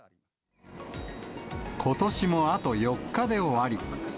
ことしもあと４日で終わり。